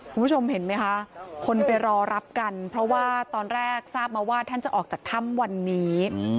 คุณผู้ชมเห็นไหมคะคนไปรอรับกันเพราะว่าตอนแรกทราบมาว่าท่านจะออกจากถ้ำวันนี้